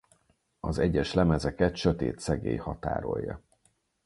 Az egyes lemezeket sötét szegély határolja.